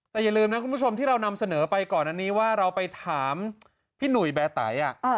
แต่อย่าลืมนะคุณผู้ชมที่เรานำเสนอไปก่อนอันนี้ว่าเราไปถามพี่หนุ่ยแบร์ไต